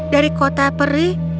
dari kota perih di hutan fontomia